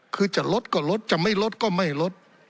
คือจะลดก็ลดจะไม่ลดก็ไม่ลด